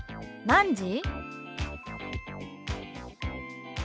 「何時？」。